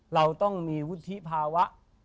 เราต้องมีวุฒิภาวะ